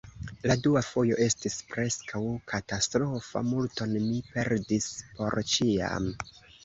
La dua fojo estis preskaŭ katastrofa: multon mi perdis por ĉiam.